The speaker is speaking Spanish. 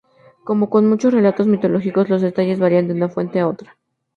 Como con muchos relatos mitológicos, los detalles varían de una fuente a otra.